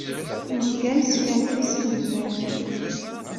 Nezga neskerkis fell-am.